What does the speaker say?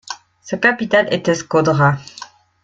Sa capitale était Scodra.